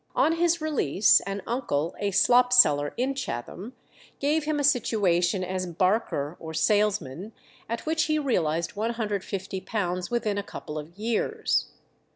On his release an uncle, a slop seller in Chatham, gave him a situation as "barker," or salesman, at which he realized £150 within a couple of years.